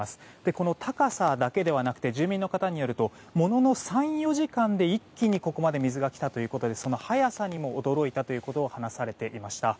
この高さだけではなくて住民の方によるとものの３４時間で一気に水が来たということでその早さにも驚いたということを話されていました。